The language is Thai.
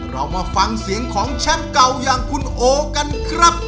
เรามาฟังเสียงของแชมป์เก่าอย่างคุณโอกันครับ